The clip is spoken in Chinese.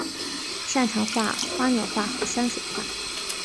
擅长画花鸟画和山水画。